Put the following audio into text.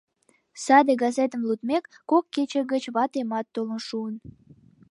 Саде газетым лудмек, кок кече гыч ватемат толын шуын.